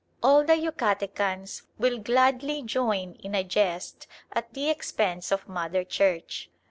All the Yucatecans will gladly join in a jest at the expense of Mother Church.